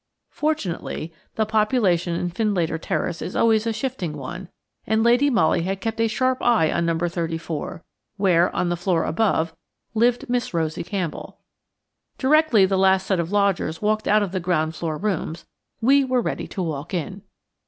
Fortunately the population in Findlater Terrace is always a shifting one, and Lady Molly had kept a sharp eye on No. 34, where, on the floor above, lived Miss Rosie Campbell. Directly the last set of lodgers walked out of the ground floor rooms, we were ready to walk in.